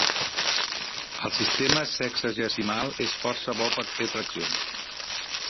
El sistema sexagesimal és força bo per fer fraccions.